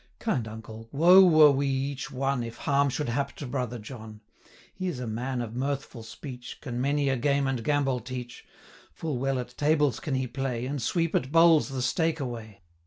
'Kind uncle, woe were we each one, If harm should hap to brother John. He is a man of mirthful speech, 370 Can many a game and gambol teach; Full well at tables can he play, And sweep at bowls the stake away.